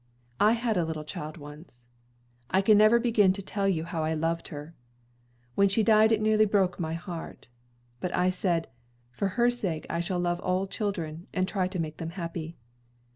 I had a little child once. I can never begin to tell you how I loved her. When she died it nearly broke my heart. But I said, for her sake I shall love all children, and try to make them happy.